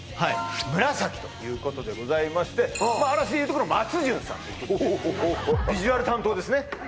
紫ということでございまして嵐でいうと松潤さんということでビジュアル担当ですね